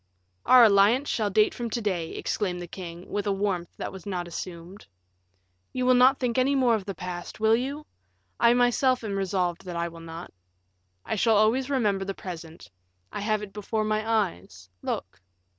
"Our alliance shall date from to day," exclaimed the king, with a warmth that was not assumed. "You will not think any more of the past, will you? I myself am resolved that I will not. I shall always remember the present; I have it before my eyes; look."